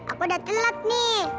aku udah telat nih